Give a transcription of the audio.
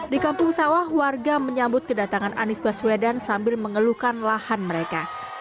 di kampung sawah warga menyambut kedatangan anies baswedan sambil mengeluhkan lahan mereka